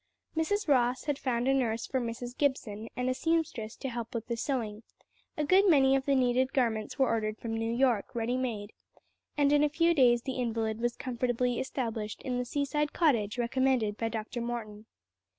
Mrs. Ross had found a nurse for Mrs. Gibson and a seamstress to help with the sewing; a good many of the needed garments were ordered from New York ready made, and in a few days the invalid was comfortably established in the seaside cottage recommended by Dr. Morton.